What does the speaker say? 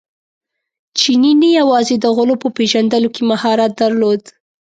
چیني نه یوازې د غلو په پېژندلو کې مهارت درلود.